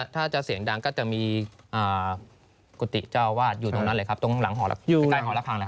ถ้าจะเสียงดังก็จะมีกุฏิเจ้าวาดอยู่ตรงนั้นเลยครับตรงหลังใกล้หอระคัง